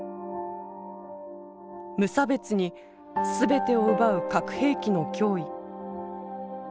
無差別に全てを奪う核兵器の脅威。